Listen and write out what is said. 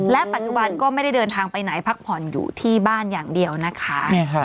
และปัจจุบันก็ไม่ได้เดินทางไปไหนพักผ่อนอยู่ที่บ้านอย่างเดียวนะคะ